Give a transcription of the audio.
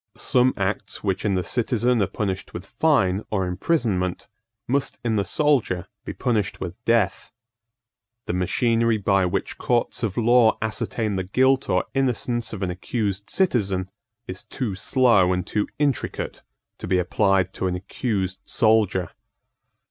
Some acts which in the citizen are punished with fine or imprisonment must in the soldier be punished with death. The machinery by which courts of law ascertain the guilt or innocence of an accused citizen is too slow and too intricate to be applied to an accused soldier.